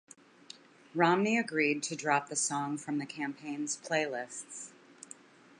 Romney agreed to drop the song from the campaign's playlists.